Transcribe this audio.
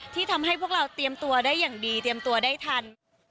ทำให้พวกเราเตรียมตัวได้อย่างดีเตรียมตัวได้ทัน